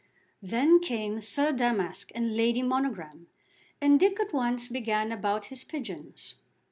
Then came Sir Damask and Lady Monogram, and Dick at once began about his pigeons.